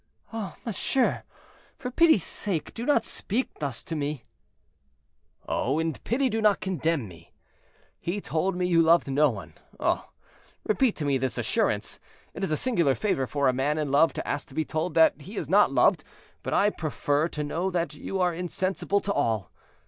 "Oh, monsieur! for pity's sake do not speak thus to me." "Oh, in pity do not condemn me. He told me you loved no one; oh! repeat to me this assurance; it is a singular favor for a man in love to ask to be told that he is not loved, but I prefer to know that you are insensible to all.